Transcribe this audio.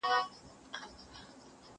زه له سهاره د سبا لپاره د يادښتونه يادوم!.